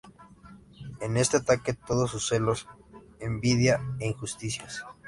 En este ataque todos sus celos, envidia e injusticias.